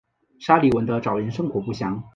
沙利文的早年生活不详。